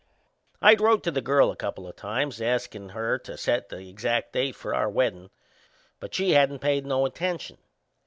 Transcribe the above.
I'd wrote to the girl a couple o' times askin' her to set the exact date for our weddin'; but she hadn't paid no attention.